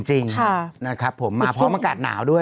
จริงนะครับผมมาพร้อมอากาศหนาวด้วย